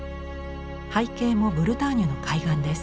背景もブルターニュの海岸です。